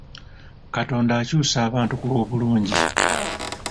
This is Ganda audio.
Katonda akyusa abantu ku lw'obulungi.